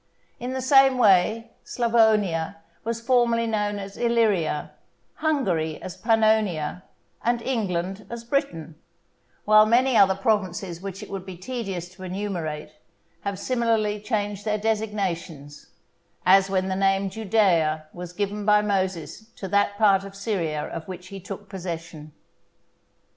In the same way Sclavonia was formerly known as Illyria, Hungary as Pannonia, and England as Britain; while many other provinces which it would be tedious to enumerate, have similarly changed their designations; as when the name Judæa was given by Moses to that part of Syria of which he took possession.